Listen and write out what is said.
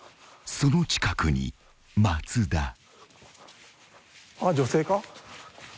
［その近くに松田］